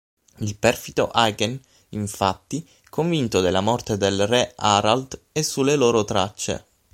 Il perfido Hagen, infatti, convinto della morte del re Harald, è sulle loro tracce.